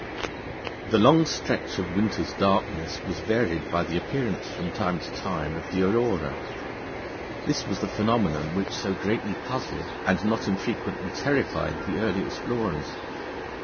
The long stretch of winter's darkness was varied by the appearance, from time to time, of the aurora. This was the phenomenon which so greatly puzzled, and not infrequently terrified, the early explorers.